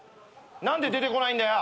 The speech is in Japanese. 何で出てこないんだよ。